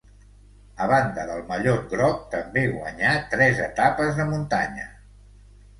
A banda del mallot groc també guanyà tres etapes de muntanya.